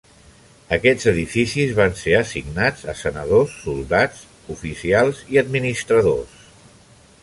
Aquests edificis van ser assignats a sanadors, soldats, oficials i administradors.